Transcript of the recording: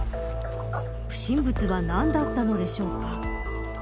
不審物は何だったのでしょうか。